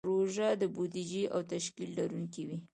پروژه د بودیجې او تشکیل لرونکې وي.